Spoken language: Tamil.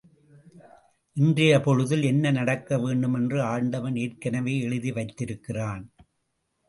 இன்றையப் பொழுதில் என்ன நடக்க வேண்டுமென்று ஆண்டவன் ஏற்கெனவே எழுதி வைத்திருக்கிறான்.